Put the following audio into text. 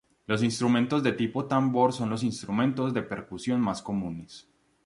Los instrumentos de tipo tambor son los instrumentos de percusión más comunes.